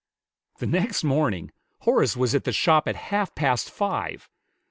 The next morning Horace was at the shop at half past five!